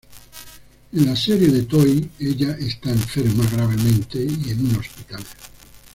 En la serie de Toei, ella está enferma gravemente y en un hospital.